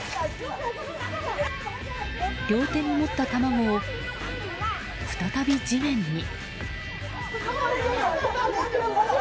両手に持った卵を再び地面に。